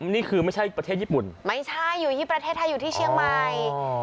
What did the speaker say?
นี่คือไม่ใช่ประเทศญี่ปุ่นไม่ใช่อยู่ที่ประเทศไทยอยู่ที่เชียงใหม่